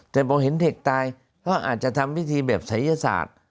แต่พอเห็นเด็กตายก็อาจจะทำพิธีแบบศัยศาสตร์